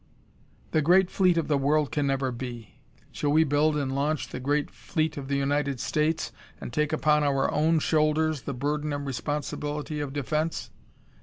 "The great fleet of the world can never be. Shall we build and launch the Great Fleet of the United States, and take upon our own shoulders the burden and responsibility of defense?